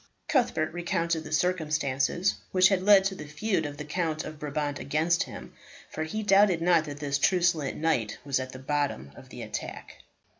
Cuthbert recounted the circumstances which had led to the feud of the Count of Brabant against him, for he doubted not that this truculent knight was at the bottom of the attack.